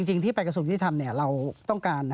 จริงที่ไปกระทรวงยุติธรรมเราต้องการ